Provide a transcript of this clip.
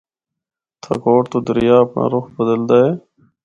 تھاکوٹ تو دریا اپنڑا رُخ بدلا ہے۔